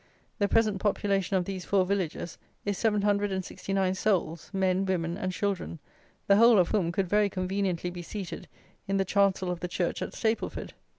The present population of these four villages is 769 souls, men, women, and children, the whole of whom could very conveniently be seated in the chancel of the church at Stapleford.